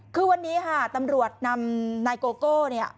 คือวันนี้ค่ะตำรวจนำนายโกโก้เนี่ย